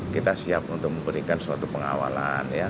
kita siap untuk memberikan suatu pengawalan ya